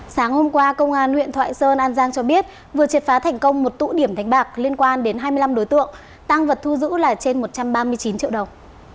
sáng hôm qua công an huyện thoại sơn an giang cho biết vừa triệt phá thành công một tụ điểm đánh bạc liên quan đến hai mươi năm đối tượng tăng vật thu giữ là trên một trăm ba mươi chín triệu đồng